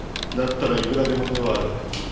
だったらいくらでも手はある。